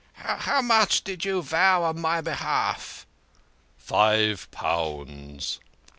" How much did you vow on my behalf? " "Five pounds."